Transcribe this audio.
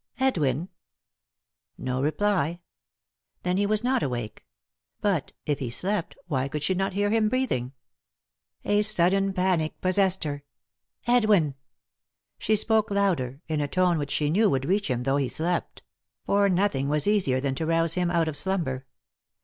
" Edwin 1 " No reply ; then he was not awake ; but, if he slept, why could she not hear him breathing ? A sudden panic possessed her. " Edwin 1 " She spoke louder, in a tone which she knew would reach him though he slept ; for nothing was easier than to rouse him out of slumber.